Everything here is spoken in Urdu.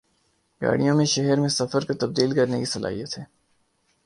گاڑیوں میں شہر میں سفر کو تبدیل کرنے کی صلاحیت ہے